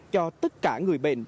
cho tất cả người bệnh